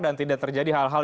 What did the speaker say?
dan tidak terjadi hal hal